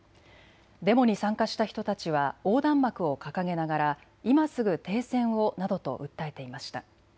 デモに参加した人たちは横断幕を掲げながら今すぐ停戦をなどと訴えていました。